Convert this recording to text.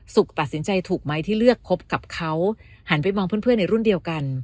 ตัดสินใจถูกไหมที่เลือกคบกับเขาหันไปมองเพื่อนในรุ่นเดียวกัน